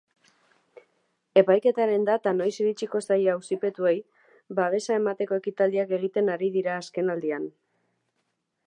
Epaiketaren data noiz iritsiko zaie auzipetuei babesa emateko ekitaldiak egiten ari dira azkenaldian.